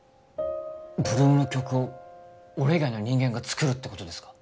８ＬＯＯＭの曲を俺以外の人間が作るってことですか？